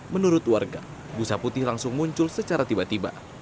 menurut warga busa putih langsung muncul secara tiba tiba